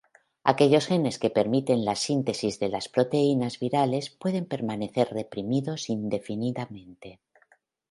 Aquellos genes que permiten la síntesis de las proteínas virales pueden permanecer reprimidos indefinidamente.